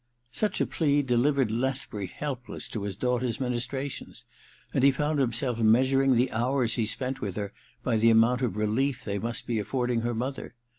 Such a plea delivered Lethbury helpless to his daughter's ministrations ; and he found himself measuring the hours he spent mth her by the amount of relief they must be affording her mother.